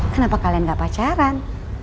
kenapa kalian gak pacaran